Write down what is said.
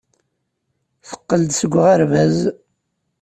Teqqel-d seg uɣerbaz.